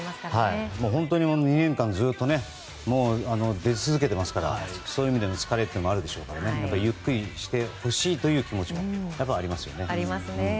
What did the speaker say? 本当に、２年間ずっと出続けていますからそういう意味での疲れもあるでしょうからゆっくりしてほしいという気持ちもありますよね。